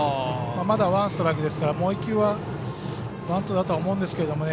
まだワンストライクですからもう１球はバントだと思いますが。